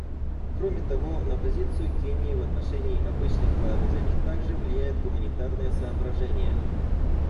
Кроме того, на позицию Кении в отношении обычных вооружений также влияют гуманитарные соображения.